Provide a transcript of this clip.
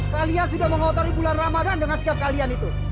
kalian sudah mengotori bulan ramadan dengan sikap kalian itu